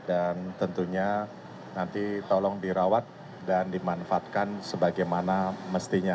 dan tentunya nanti tolong dirawat dan dimanfaatkan sebagaimana mestinya